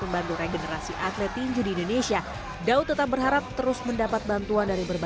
membantu regenerasi atlet tinju di indonesia daud tetap berharap terus mendapat bantuan dari berbagai